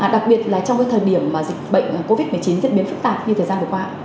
đặc biệt là trong thời điểm dịch bệnh covid một mươi chín diễn biến phức tạp như thời gian vừa qua